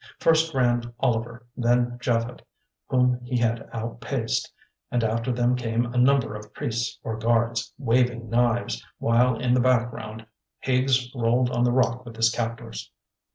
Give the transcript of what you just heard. First ran Oliver, then Japhet, whom he had outpaced, and after them came a number of priests or guards, waving knives, while in the background Higgs rolled on the rock with his captors.